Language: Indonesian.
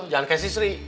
jangan kayak sisri